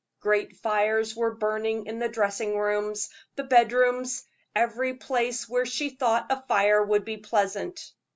Great fires were burning in the dressing rooms, the bedrooms every place where she thought a fire would be pleasant.